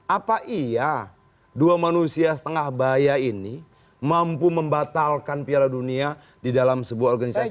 apa iya dua manusia setengah bahaya ini mampu membatalkan piala dunia di dalam sebuah organisasi